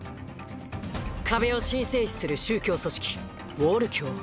壁を神聖視する宗教組織「ウォール教」。